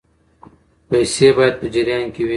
پیسې باید په جریان کې وي.